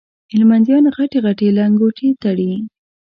هلمنديان غټي غټي لنګوټې تړي